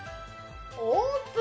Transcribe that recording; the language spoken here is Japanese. オープン！